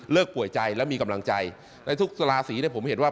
ป่วยใจและมีกำลังใจในทุกราศีเนี่ยผมเห็นว่า